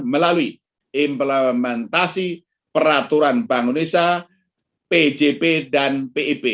melalui implementasi peraturan bank indonesia pjp dan pip